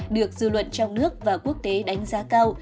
được dư luận trong nước và quốc tế đánh giá cao